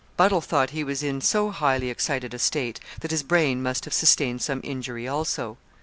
Buddle thought he was in so highly excited a state, that his brain must have sustained some injury also.